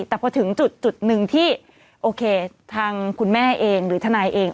แต่พอถึงจุดหนึ่งที่โอเคทางคุณแม่เองหรือทนายเอง